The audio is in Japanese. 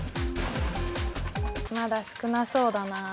まだ少なそうだな。